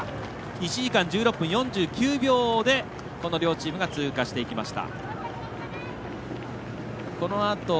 １時間１６分４９秒でこの両チームが通過していきました。